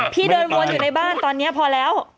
พี่เดินวนอยู่ในบ้านตอนนี้พอแล้ว